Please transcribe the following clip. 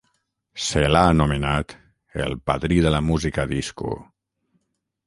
Se l'ha anomenat "el Padrí de la música disco".